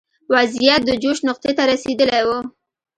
وضعیت د جوش نقطې ته رسېدلی و.